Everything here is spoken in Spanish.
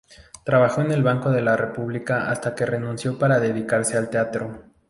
Trabajó en el Banco de la República hasta que renunció para dedicarse al teatro.